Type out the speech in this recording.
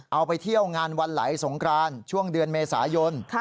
เอาไปเที่ยวงานวันไหลสงกรานช่วงเดือนเมษายน